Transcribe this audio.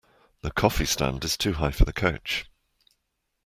The coffee stand is too high for the couch.